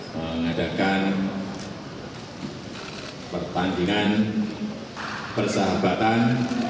mengadakan pertandingan persahabatan